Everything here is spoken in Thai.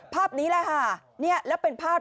ภาพนี้แหละค่ะและเป็นภาพ